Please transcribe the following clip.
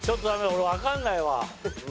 俺わかんないわ。